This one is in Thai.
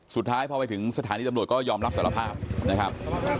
สุดท้ายพอไปถึงสถานีตำรวจก็ยอมรับสารภาพนะครับ